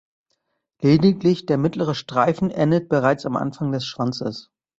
Lediglich der mittlere Streifen endet bereits am Anfang des Schwanzes.